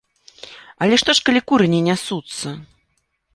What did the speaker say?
Але што ж, калі куры не нясуцца!